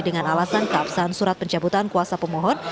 dengan alasan keabsahan surat pencabutan kuasa pemohon